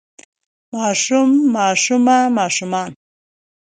ماشوم ماشومه ماشومان